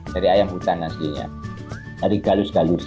dari ayam hutan aslinya dari galus galus